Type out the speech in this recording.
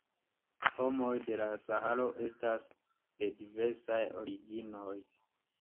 Homoj de la Saharo estas de diversaj originoj.